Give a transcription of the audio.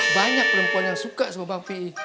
banyak perempuan yang suka sama bang pi